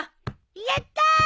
やったー！